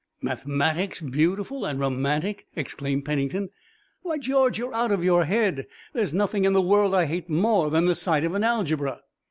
"Mathematics beautiful and romantic!" exclaimed Pennington. "Why, George, you're out of your head! There's nothing in the world I hate more than the sight of an algebra!"